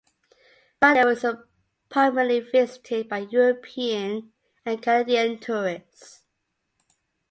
Varadero is primarily visited by European and Canadian tourists.